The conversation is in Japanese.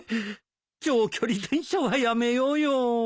長距離電車はやめようよ。